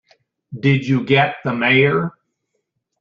Did you get the Mayor?